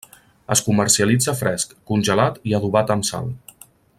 Es comercialitza fresc, congelat i adobat amb sal.